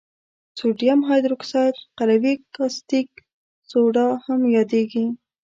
سودیم هایدروکساید قلوي کاستیک سوډا هم یادیږي.